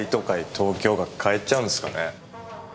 東京が変えちゃうんすかね